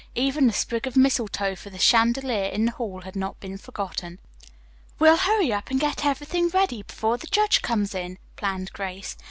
Even the sprig of mistletoe for the chandelier in the hall had not been forgotten. "We'll hurry up and get everything ready before the judge comes in," planned Grace.